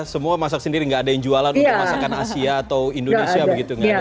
semua masak sendiri gak ada yang jualan untuk masakan asia atau indonesia begitu ya